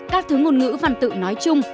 các thứ ngôn ngữ văn tự nói chung